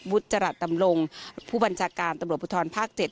บุฒรัตน์ตำรงผู้บัญชาการตำรวจพลธรรมภาคเจ็ด